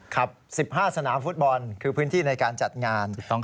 ๑๕สนามฟุตบอลคือพื้นที่ในการจัดงาน